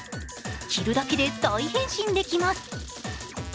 着るだけで大変身できます。